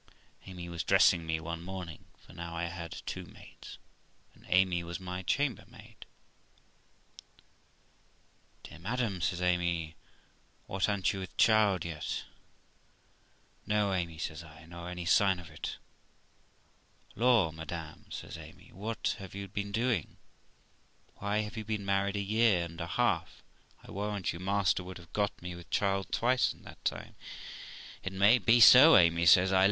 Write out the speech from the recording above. Amy was dressing me one morning, for now I had two maids, and Amy was my chambermaid. 'Dear madam', says Amy, 'whatl a'nt you with child yet?' 'No, Amy', says I; 'nor any sign of it.' 'Law, madam!', says Amy, 'what have you been doing? Why, you have been married a year and a half. I warrant you master would have got me with child twice in that time.' 'It may be so, Amy', says I.